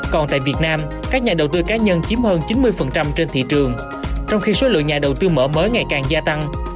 còn tại việt nam các nhà đầu tư cá nhân chiếm hơn chín mươi trên thị trường trong khi số lượng nhà đầu tư mở mới ngày càng gia tăng